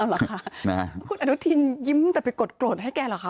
เหรอคะคุณอนุทินยิ้มแต่ไปกดโกรธให้แกเหรอคะ